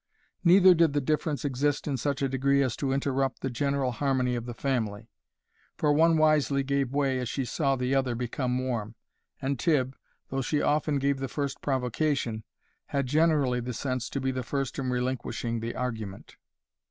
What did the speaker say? Neither did the difference exist in such a degree as to interrupt the general harmony of the family, for the one wisely gave way as she saw the other become warm; and Tibb, though she often gave the first provocation, had generally the sense to be the first in relinquishing the argument.